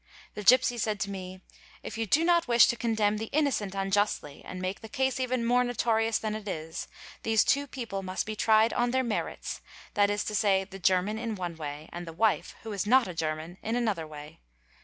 The gipsy said to me:—'"if you do not wish to condemn the innocent unjustly and make the case even more notorious than it is, these two people must be treated on their merits, that is to say the German in one way, and his wife, who is not a German, in another way."